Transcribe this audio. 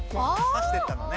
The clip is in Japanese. さしてったのね。